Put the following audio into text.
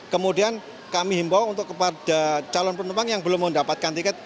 kemudian kami himbau untuk kepada calon penumpang yang belum mendapatkan tiket